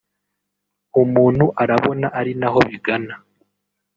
umuntu arabona ari naho bigana